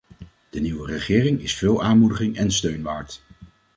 De nieuwe regering is veel aanmoediging en steun waard.